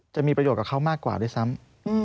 จะมีประโยชน์กับเขามากกว่าด้วยซ้ำ